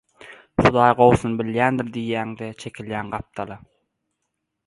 Hudaý gowusyny bilýändir diýýäň-de çekilýäň gapdala.